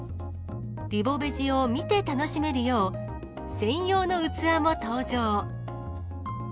リボベジを見て楽しめるよう、専用の器も登場。